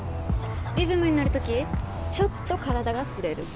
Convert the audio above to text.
リズムにのる時ちょっと体が触れる。